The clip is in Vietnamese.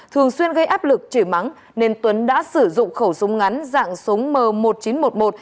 thường xuyên gây áp lực chửi mắng nên tuấn đã sử dụng khẩu súng ngắn dạng súng m một nghìn chín trăm một mươi một